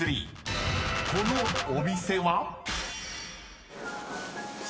［このお店は？］